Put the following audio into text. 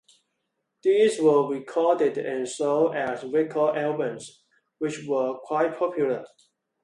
These were recorded and sold as record albums, which were quite popular.